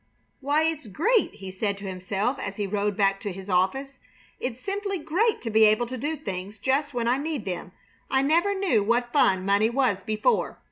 "Why, it's great!" he said to himself, as he rode back to his office. "It's simply great to be able to do things just when I need them! I never knew what fun money was before.